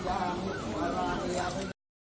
สวัสดีครับทุกคน